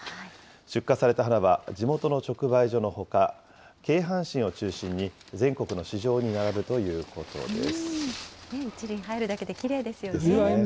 出荷された花は、地元の直売所のほか、京阪神を中心に全国の市場に並ぶということです。